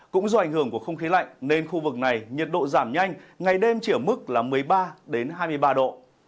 cũng do ảnh hưởng của không khí lạnh nên khu vực này nhiệt độ giảm nhanh ngày đêm chỉ ở mức là một mươi ba hai mươi ba độ